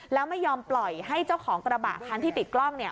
แล้วไม่ยอมปล่อยให้เจ้าของกระบะคันที่ติดกล้องเนี่ย